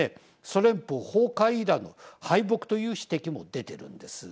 ソ連邦崩壊以来の敗北という指摘も出ているんです。